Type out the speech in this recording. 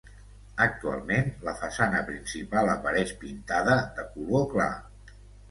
Actualment la façana principal apareix pintada de color clar.